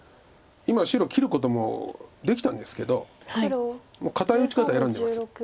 今白切ることもできたんですけどもう堅い打ち方選んでます。